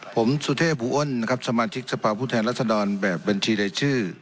ผมสุเทพบูอ้นนะครับสมาชิกสภาพผู้แทนรัศดรแบบบัญชีรายชื่อ